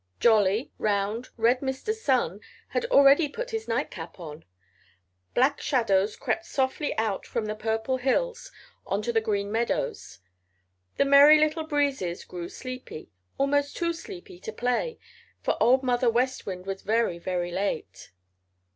Jolly, round, red Mr. Sun had already put his nightcap on. Black shadows crept softly out from the Purple Hills onto the Green Meadows. The Merry Little Breezes grew sleepy, almost too sleepy to play, for Old Mother West Wind was very, very late.